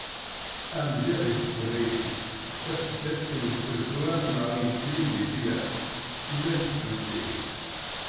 Amedya di teqbaylit: Taseddast i nsell tura neɣ i yettilin di tira, simmal tettbeddil.